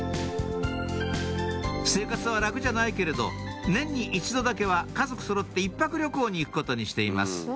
生活は楽じゃないけれど年に一度だけは家族そろって１泊旅行に行くことにしています